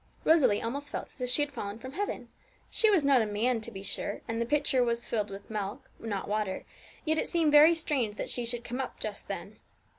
Rosalie almost felt as if she had fallen from heaven. She was not a man, to be sure, and the pitcher was filled full of milk, and not water; yet it seemed very strange that she should come up just then.